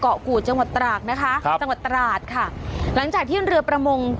กูดจังหวัดตราดนะคะครับจังหวัดตราดค่ะหลังจากที่เรือประมง